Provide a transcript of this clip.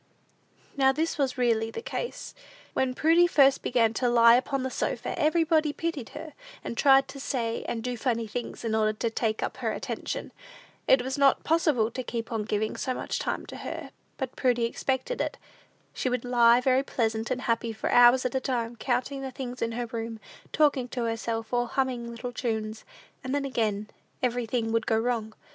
Now this was really the case. When Prudy first began to lie upon the sofa, everybody pitied her, and tried to say and do funny things, in order to take up her attention. It was not possible to keep on giving so much time to her; but Prudy expected it. She would lie very pleasant and happy for hours at a time, counting the things in the room, talking to herself, or humming little tunes; and then, again, everything would go wrong.